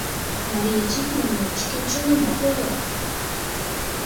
— Мария Тихоновна шкенжынымак ойла.